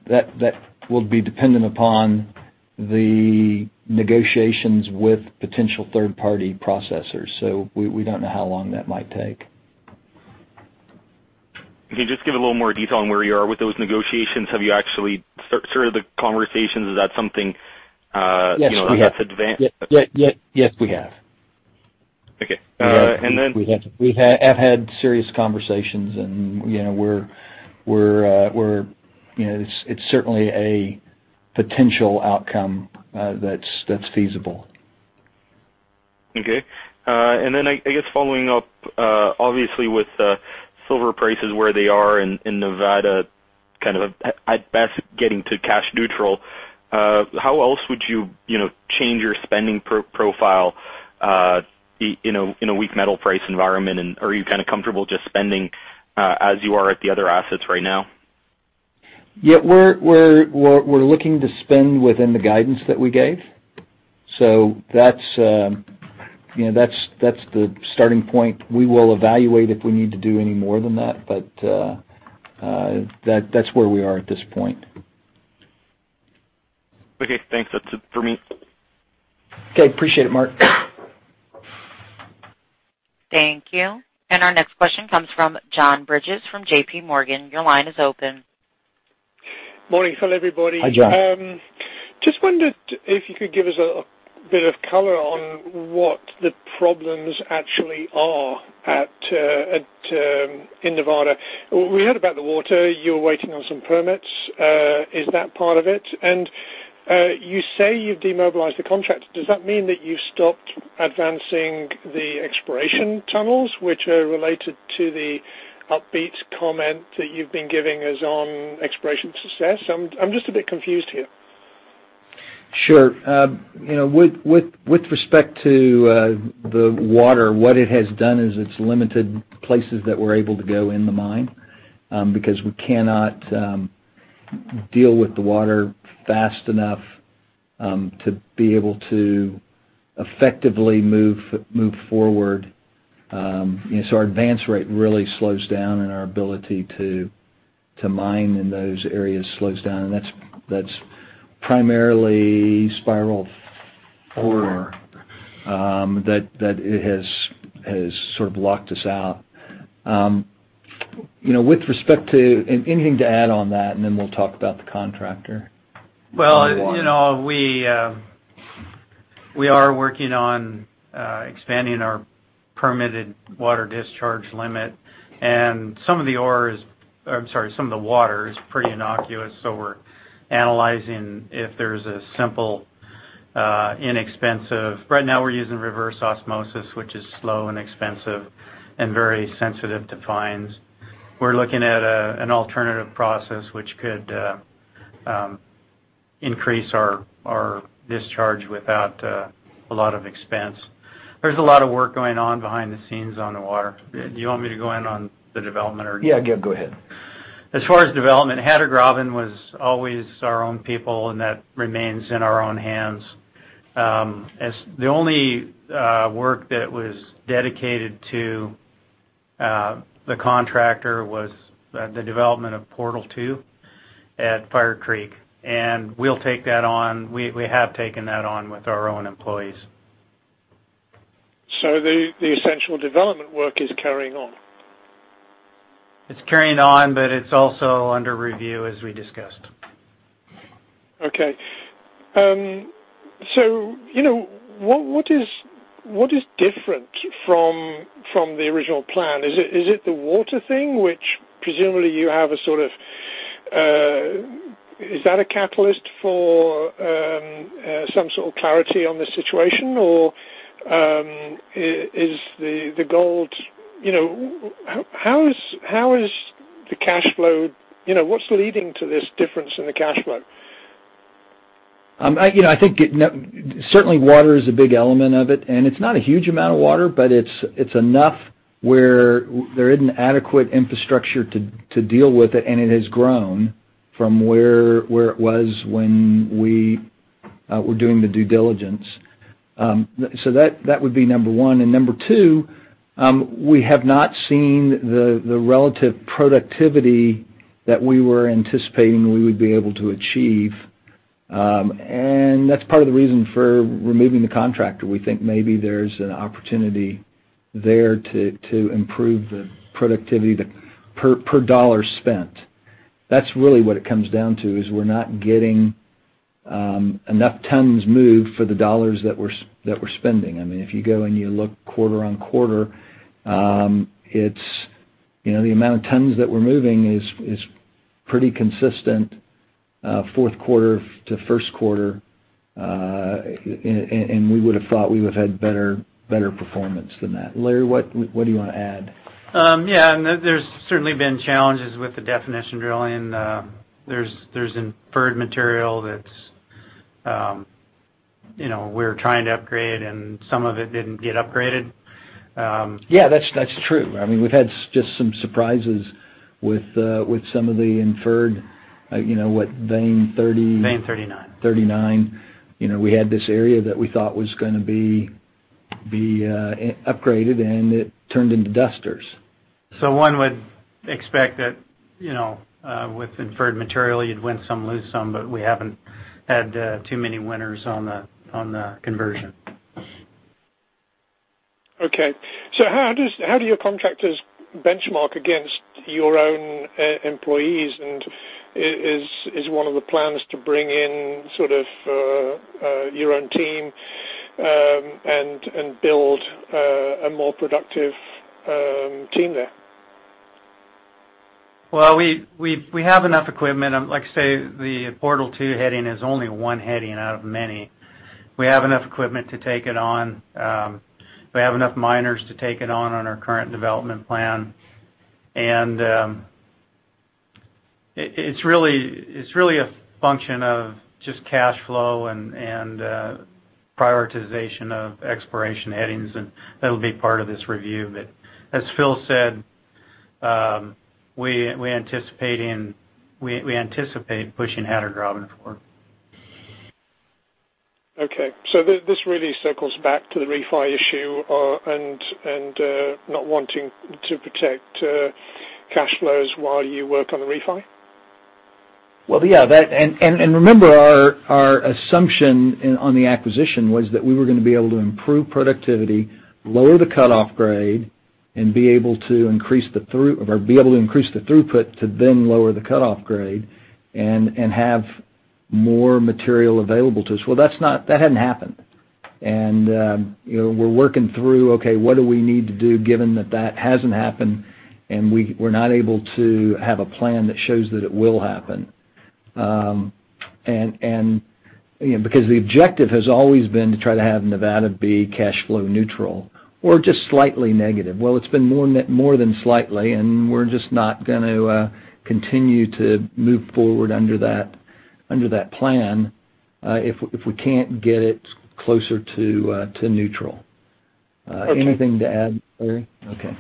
That will be dependent upon the negotiations with potential third-party processors, we don't know how long that might take. Okay. Just give a little more detail on where you are with those negotiations. Have you actually started the conversations? Is that something- Yes, we have that's advanced? Yes, we have. Okay. We have had serious conversations, and it's certainly a potential outcome that's feasible. Okay. I guess following up, obviously, with silver prices where they are in Nevada, kind of at best getting to cash neutral, how else would you change your spending profile in a weak metal price environment, and are you kind of comfortable just spending as you are at the other assets right now? Yeah, we're looking to spend within the guidance that we gave. That's the starting point. We will evaluate if we need to do any more than that, but that's where we are at this point. Okay, thanks. That's it for me. Okay. Appreciate it, Mark. Thank you. Our next question comes from John Bridges from J.P. Morgan. Your line is open. Morning. Hello, everybody. Hi, John. Just wondered if you could give us a bit of color on what the problems actually are in Nevada. We heard about the water. You're waiting on some permits. Is that part of it? You say you've demobilized the contract. Does that mean that you've stopped advancing the exploration tunnels which are related to the upbeat comment that you've been giving us on exploration success? I'm just a bit confused here. Sure. With respect to the water, what it has done is it's limited places that we're able to go in the mine, because we cannot deal with the water fast enough to be able to effectively move forward. Our advance rate really slows down, and our ability to mine in those areas slows down. That's primarily Spiral 4 that it has sort of locked us out. With respect to Anything to add on that? We'll talk about the contractor. Well, we are working on expanding our permitted water discharge limit. Some of the water is pretty innocuous, we're analyzing if there's a simple, inexpensive Right now we're using reverse osmosis, which is slow and expensive and very sensitive to fines. We're looking at an alternative process which could increase our discharge without a lot of expense. There's a lot of work going on behind the scenes on the water. Do you want me to go in on the development or- Yeah, go ahead. As far as development, Hatter Graben was always our own people, and that remains in our own hands. The only work that was dedicated to the contractor was the development of Portal 2 at Fire Creek, and we'll take that on. We have taken that on with our own employees. The essential development work is carrying on. It's carrying on, but it's also under review, as we discussed. Okay. What is different from the original plan? Is it the water thing? Is that a catalyst for some sort of clarity on the situation, or is the gold? How is the cash flow, what's leading to this difference in the cash flow? I think certainly water is a big element of it, and it's not a huge amount of water, but it's enough where there isn't adequate infrastructure to deal with it, and it has grown from where it was when we were doing the due diligence. That would be number one. Number two, we have not seen the relative productivity that we were anticipating we would be able to achieve. And that's part of the reason for removing the contractor. We think maybe there's an opportunity there to improve the productivity per dollar spent. That's really what it comes down to, is we're not getting enough tons moved for the dollars that we're spending. If you go and you look quarter on quarter, the amount of tons that we're moving is pretty consistent fourth quarter to first quarter, and we would have thought we would've had better performance than that. Larry, what do you want to add? There's certainly been challenges with the definition drilling. There's inferred material that we're trying to upgrade, and some of it didn't get upgraded. Yeah, that's true. We've had just some surprises with some of the inferred, what, Vein 30. Vein 39. 39. We had this area that we thought was going to be upgraded, it turned into dusters. One would expect that with inferred material, you'd win some, lose some, we haven't had too many winners on the conversion. Okay. How do your contractors benchmark against your own employees, is one of the plans to bring in your own team, and build a more productive team there? We have enough equipment. Like I say, the portal 2 heading is only one heading out of many. We have enough equipment to take it on. We have enough miners to take it on our current development plan. It's really a function of just cash flow and prioritization of exploration headings, and that'll be part of this review. As Phil said, we anticipate pushing ahead at Robin #4. Okay. This really circles back to the refi issue, not wanting to protect cash flows while you work on the refi? Yeah. Remember, our assumption on the acquisition was that we were going to be able to improve productivity, lower the cutoff grade, and be able to increase the throughput to then lower the cutoff grade and have more material available to us. That hadn't happened. We're working through, okay, what do we need to do given that that hasn't happened and we're not able to have a plan that shows that it will happen. The objective has always been to try to have Nevada be cash flow neutral or just slightly negative. It's been more than slightly, we're just not going to continue to move forward under that plan, if we can't get it closer to neutral. Okay. Anything to add, Larry? Okay.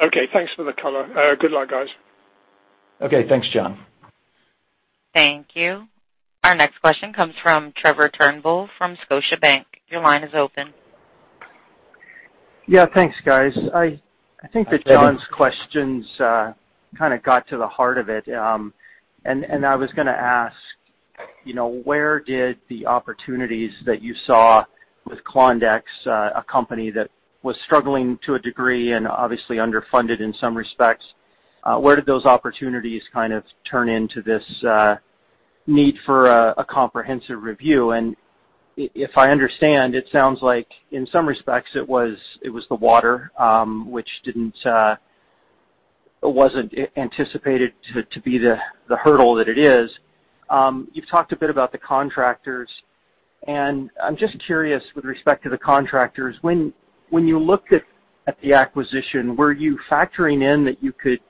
Okay. Thanks for the color. Good luck, guys. Okay. Thanks, John. Thank you. Our next question comes from Trevor Turnbull from Scotiabank. Your line is open. Yeah. Thanks, guys. I think that John's questions kind of got to the heart of it. I was going to ask, where did the opportunities that you saw with Klondex, a company that was struggling to a degree and obviously underfunded in some respects, where did those opportunities kind of turn into this need for a comprehensive review? If I understand, it sounds like in some respects it was the water, which wasn't anticipated to be the hurdle that it is. You've talked a bit about the contractors, I'm just curious with respect to the contractors, when you looked at the acquisition, were you factoring in that you could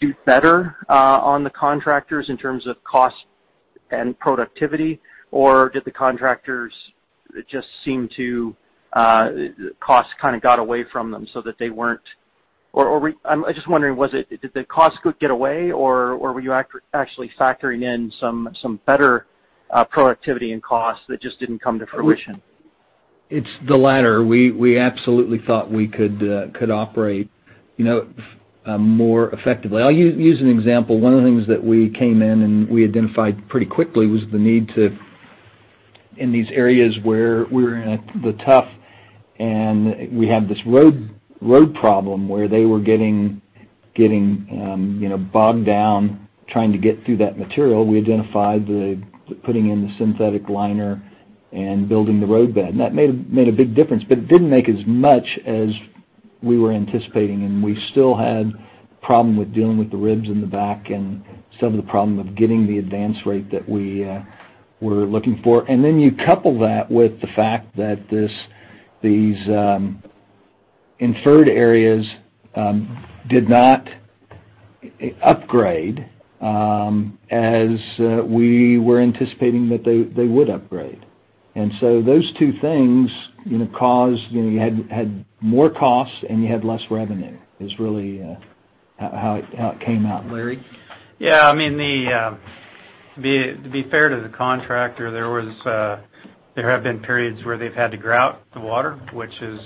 do better on the contractors in terms of cost and productivity? I'm just wondering, did the cost get away or were you actually factoring in some better productivity and costs that just didn't come to fruition? It's the latter. We absolutely thought we could operate more effectively. I'll use an example. One of the things that we came in and we identified pretty quickly was the need to, in these areas where we were in the tuff, and we had this road problem where they were getting bogged down trying to get through that material. We identified putting in the synthetic liner and building the roadbed. That made a big difference, but it didn't make as much as we were anticipating, and we still had problem with dealing with the ribs in the back and some of the problem of getting the advance rate that we were looking for. You couple that with the fact that these inferred areas did not upgrade as we were anticipating that they would upgrade. Those two things caused, you had more costs and you had less revenue, is really how it came out. Larry? Yeah. To be fair to the contractor, there have been periods where they've had to grout the water, which is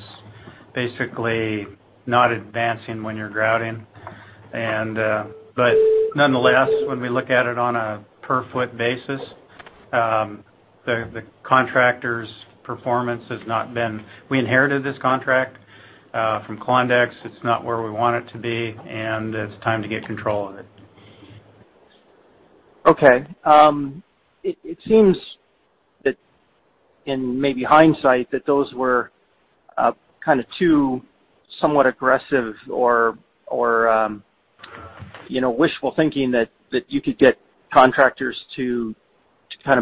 Basically not advancing when you're grouting. Nonetheless, when we look at it on a per foot basis, the contractor's performance has not been We inherited this contract from Klondex. It's not where we want it to be, and it's time to get control of it. Okay. It seems that in maybe hindsight, that those were kind of too somewhat aggressive or wishful thinking that you could get contractors to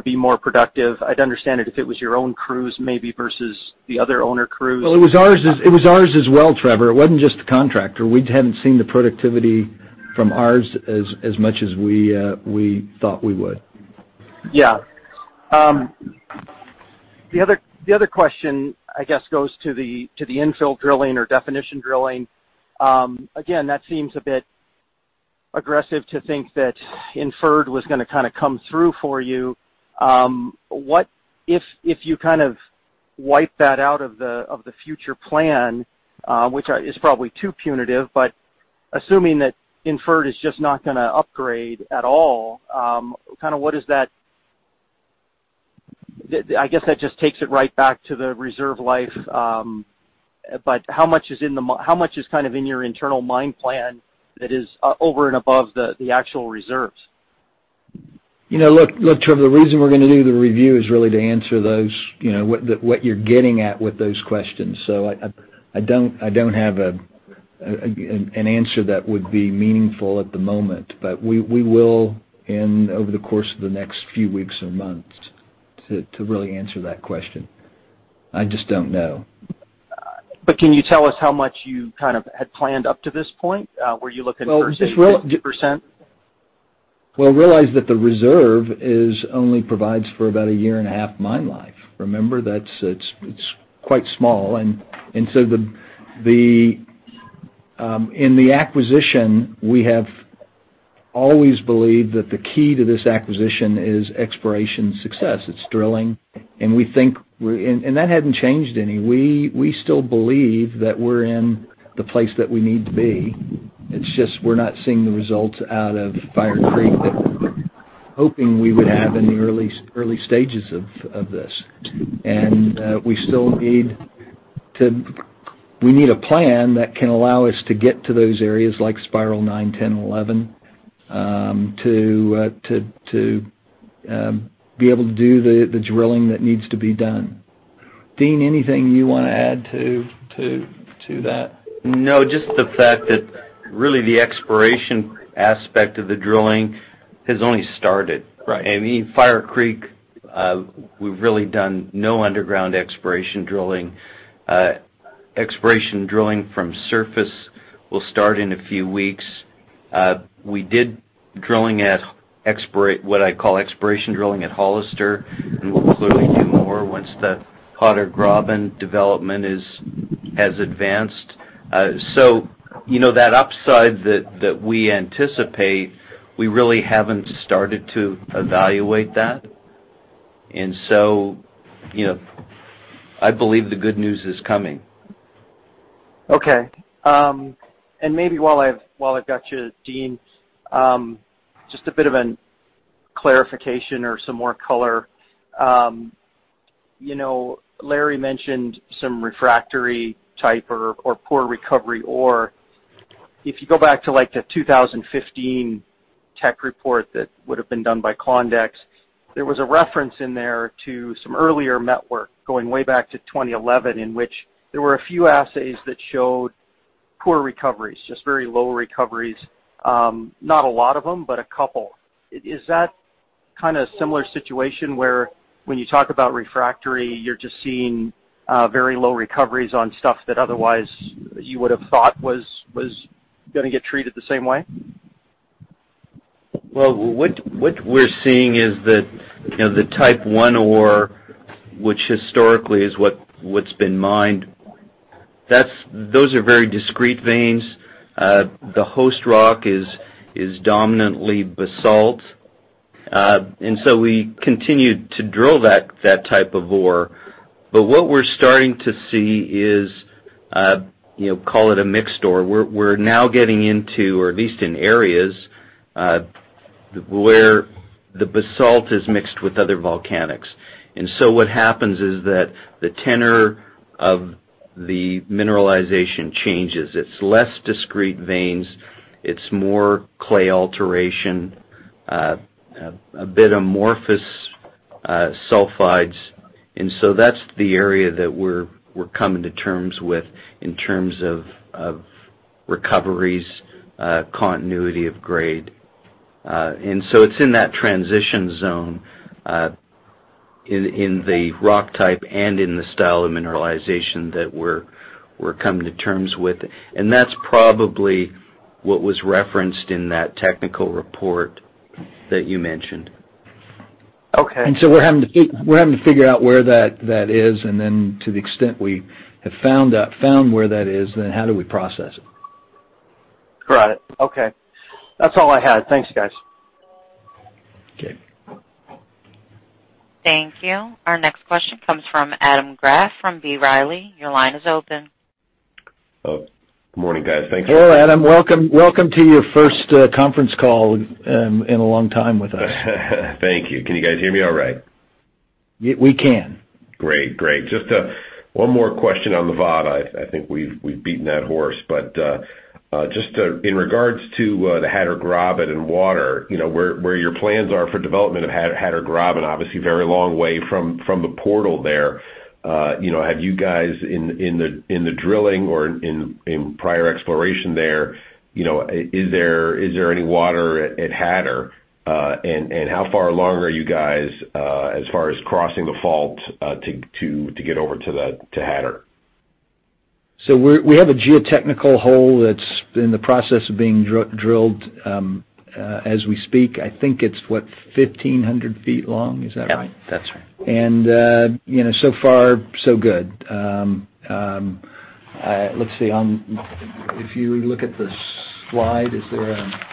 be more productive. I'd understand it if it was your own crews maybe versus the other owner crews. Well, it was ours as well, Trevor. It wasn't just the contractor. We hadn't seen the productivity from ours as much as we thought we would. Yeah. The other question, I guess, goes to the infill drilling or definition drilling. Again, that seems a bit aggressive to think that inferred was going to kind of come through for you. If you kind of wipe that out of the future plan, which is probably too punitive, assuming that inferred is just not going to upgrade at all, I guess that just takes it right back to the reserve life. How much is in your internal mine plan that is over and above the actual reserves? Look, Trevor, the reason we're going to do the review is really to answer what you're getting at with those questions. I don't have an answer that would be meaningful at the moment, we will in over the course of the next few weeks or months to really answer that question. I just don't know. Can you tell us how much you had planned up to this point? Were you looking for 60%? Well, realize that the reserve only provides for about a year and a half mine life. Remember, it's quite small. In the acquisition, we have always believed that the key to this acquisition is exploration success. It's drilling, that hadn't changed any. We still believe that we're in the place that we need to be. It's just we're not seeing the results out of Fire Creek that we were hoping we would have in the early stages of this. We still need a plan that can allow us to get to those areas like Spiral 9, 10, 11, to be able to do the drilling that needs to be done. Dean, anything you want to add to that? Just the fact that really the exploration aspect of the drilling has only started. Right. In Fire Creek, we've really done no underground exploration drilling. Exploration drilling from surface will start in a few weeks. We did what I call exploration drilling at Hollister, and we'll clearly do more once the Hatter Graben development has advanced. That upside that we anticipate, we really haven't started to evaluate that. I believe the good news is coming. Maybe while I've got you, Dean, just a bit of a clarification or some more color. Larry mentioned some refractory type or poor recovery ore. If you go back to, like, the 2015 tech report that would've been done by Klondex, there was a reference in there to some earlier network going way back to 2011, in which there were a few assays that showed poor recoveries, just very low recoveries. Not a lot of them, but a couple. Is that kind of similar situation where when you talk about refractory, you're just seeing very low recoveries on stuff that otherwise you would have thought was going to get treated the same way? What we're seeing is that the type 1 ore, which historically is what's been mined, those are very discrete veins. The host rock is dominantly basalt. We continued to drill that type of ore. What we're starting to see is, call it a mixed ore. We're now getting into, or at least in areas, where the basalt is mixed with other volcanics. What happens is that the tenor of the mineralization changes. It's less discrete veins. It's more clay alteration, a bit amorphous sulfides. That's the area that we're coming to terms with in terms of recoveries, continuity of grade. It's in that transition zone, in the rock type and in the style of mineralization that we're coming to terms with, and that's probably what was referenced in that technical report that you mentioned. Okay. We're having to figure out where that is, and then to the extent we have found where that is, then how do we process it? Got it. Okay. That's all I had. Thanks, guys. Okay. Thank you. Our next question comes from Adam Graf from B. Riley. Your line is open. Good morning, guys. Thanks. Hello, Adam. Welcome to your first conference call in a long time with us. Thank you. Can you guys hear me all right? We can. Great. Just one more question on Nevada. I think we've beaten that horse. Just in regards to the Hatter Graben and water, where your plans are for development of Hatter Graben, obviously, very long way from the portal there. Have you guys, in the drilling or in prior exploration there, is there any water at Hatter? How far along are you guys as far as crossing the fault to get over to Hatter? We have a geotechnical hole that's in the process of being drilled as we speak. I think it's, what, 1,500 feet long. Is that right? Yeah, that's right. So far so good. Let's see. If you look at the slide,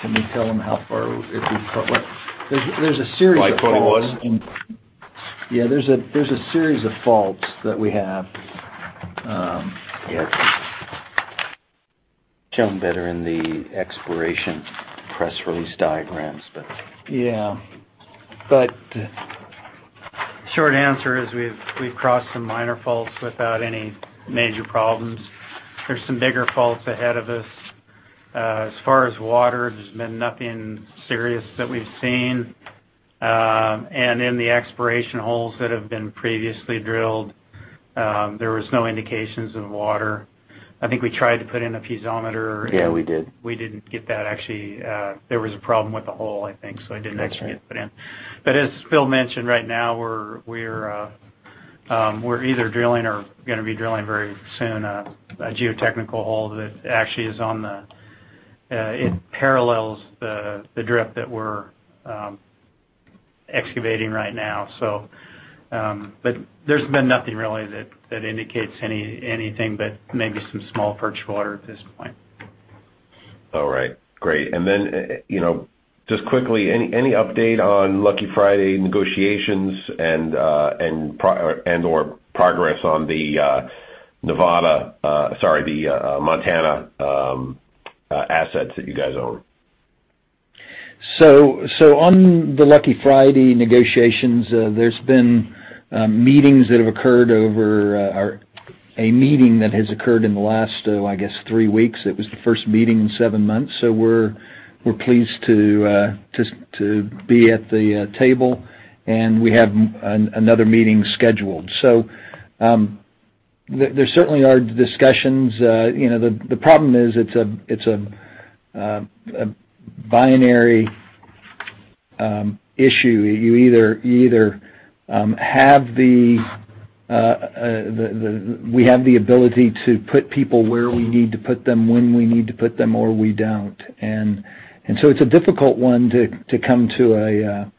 can we tell them how far it is? There's a series of faults. Slide 21? Yeah, there's a series of faults that we have. Yeah. Shown better in the exploration press release diagrams, but. Yeah. Short answer is we've crossed some minor faults without any major problems. There's some bigger faults ahead of us. As far as water, there's been nothing serious that we've seen. In the exploration holes that have been previously drilled, there was no indications of water. I think we tried to put in a piezometer. Yeah, we did. We didn't get that actually. There was a problem with the hole, I think, it didn't actually get put in. That's right. As Phil mentioned, right now, we're either drilling or going to be drilling very soon a geotechnical hole that actually parallels the drift that we're excavating right now. There's been nothing really that indicates anything but maybe some small perch water at this point. All right, great. Just quickly, any update on Lucky Friday negotiations and/or progress on the Nevada, sorry, the Montana assets that you guys own? On the Lucky Friday negotiations, there's been meetings that have occurred over a meeting that has occurred in the last, I guess, three weeks. It was the first meeting in seven months. We're pleased to be at the table, and we have another meeting scheduled. There certainly are discussions. The problem is it's a binary issue. We have the ability to put people where we need to put them when we need to put them, or we don't. It's a difficult one to come to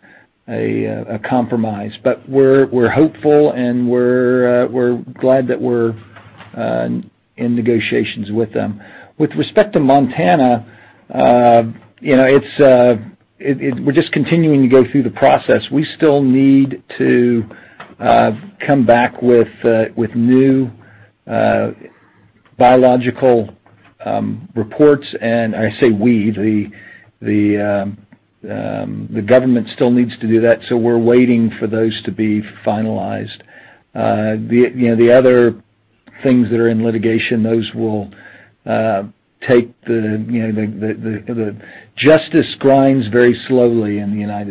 a compromise. We're hopeful, and we're glad that we're in negotiations with them. With respect to Montana, we're just continuing to go through the process. We still need to come back with new biological reports and I say we, the government still needs to do that. We're waiting for those to be finalized. The other things that are in litigation, those will take the Justice grinds very slowly in the U.S.,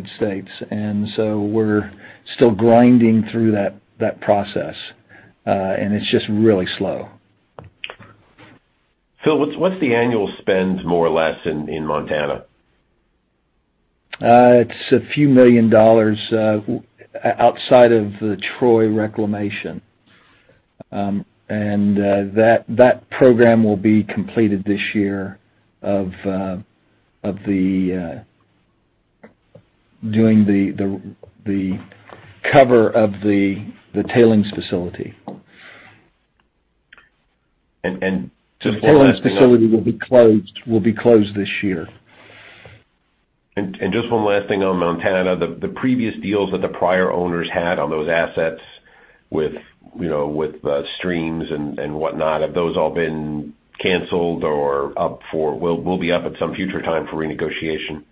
we're still grinding through that process. It's just really slow. Phil, what's the annual spend, more or less, in Montana? It's a few million U.S. dollars outside of the Troy reclamation. That program will be completed this year of doing the cover of the tailings facility. Just one last thing. The tailings facility will be closed this year. Just one last thing on Montana. The previous deals that the prior owners had on those assets with streams and whatnot, have those all been canceled or will be up at some future time for renegotiation?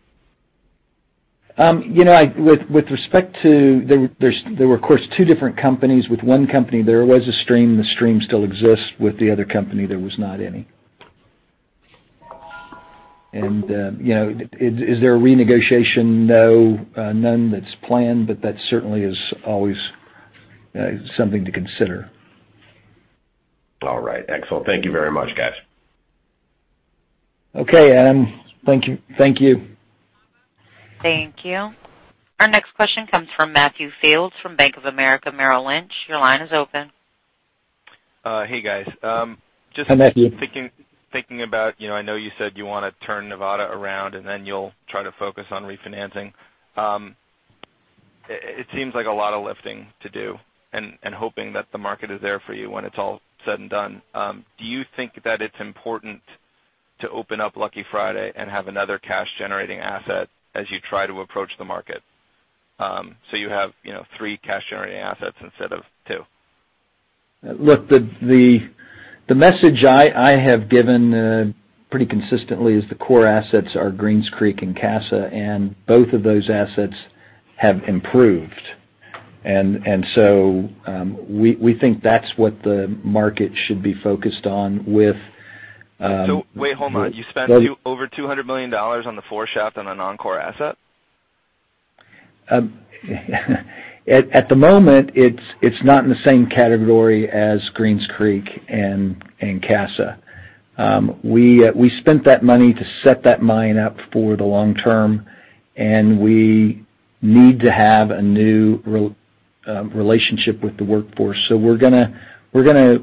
With respect to, there were, of course, two different companies. With one company, there was a stream. The stream still exists. With the other company, there was not any. Is there a renegotiation? No, none that's planned, but that certainly is always something to consider. All right. Excellent. Thank you very much, guys. Okay, Adam. Thank you. Thank you. Our next question comes from Matthew Fields from Bank of America Merrill Lynch. Your line is open. Hey, guys. Hi, Matthew. Just thinking about, I know you said you want to turn Nevada around, and then you'll try to focus on refinancing. It seems like a lot of lifting to do and hoping that the market is there for you when it's all said and done. Do you think that it's important to open up Lucky Friday and have another cash-generating asset as you try to approach the market. So you have three cash-generating assets instead of two. Look, the message I have given pretty consistently is the core assets are Greens Creek and Casa, and both of those assets have improved. We think that's what the market should be focused on. Wait, hold on. You spent over $200 million on the #4 shaft on a non-core asset? At the moment, it's not in the same category as Greens Creek and Casa. We spent that money to set that mine up for the long term, and we need to have a new relationship with the workforce. We're going to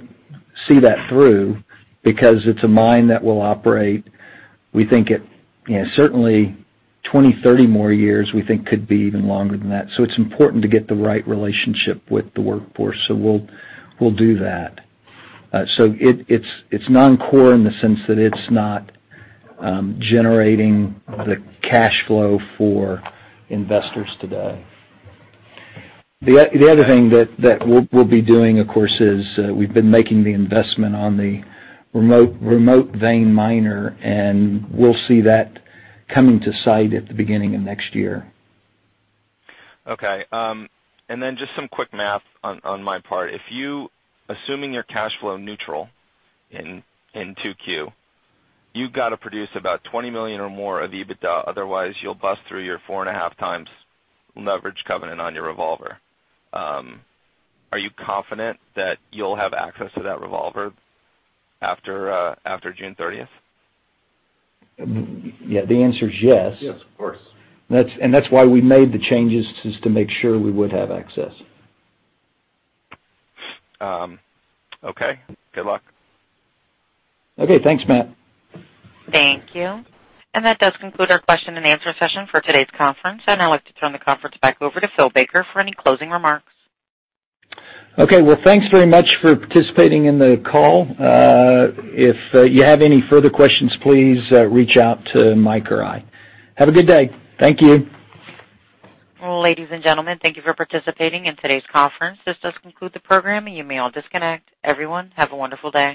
see that through, because it's a mine that will operate, we think it, certainly 20, 30 more years, we think could be even longer than that. It's important to get the right relationship with the workforce. We'll do that. It's non-core in the sense that it's not generating the cash flow for investors today. The other thing that we'll be doing, of course, is we've been making the investment on the Remote Vein Miner, and we'll see that coming to site at the beginning of next year. Okay. Just some quick math on my part. If you, assuming you're cash flow neutral in 2Q, you've got to produce about $20 million or more of EBITDA, otherwise you'll bust through your 4.5 times leverage covenant on your revolver. Are you confident that you'll have access to that revolver after June 30th? Yeah, the answer is yes. Yes, of course. That is why we made the changes, is to make sure we would have access. Okay. Good luck. Okay. Thanks, Matt. Thank you. That does conclude our question and answer session for today's conference. I'd now like to turn the conference back over to Phil Baker for any closing remarks. Okay. Well, thanks very much for participating in the call. If you have any further questions, please reach out to Mike or I. Have a good day. Thank you. Ladies and gentlemen, thank you for participating in today's conference. This does conclude the program. You may all disconnect. Everyone, have a wonderful day.